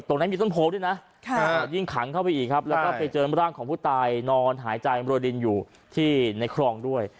ตรงนั้นมีต้นโพลด้วยนะยิ่งขังเข้าไปอีกครับแล้วก็ไปเจอร่างของผู้ตายนอนหายใจรวยดินอยู่ที่ในครองด้วย